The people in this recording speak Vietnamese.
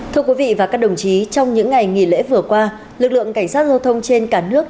thưa quý vị và các đồng chí trong những ngày nghỉ lễ vừa qua lực lượng cảnh sát giao thông trên cả nước